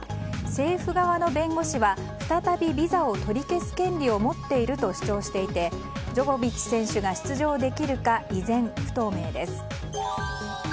政府側の弁護士は再びビザを取り消す権利を持っていると主張していてジョコビッチ選手が出場できるか依然、不透明です。